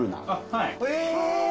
はい。